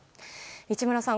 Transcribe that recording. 市村さん